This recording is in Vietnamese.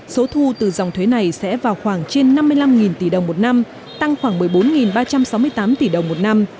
số thu từ dòng thuế này sẽ vào khoảng trên năm mươi năm tỷ đồng một năm tăng khoảng một mươi bốn ba trăm sáu mươi tám tỷ đồng một năm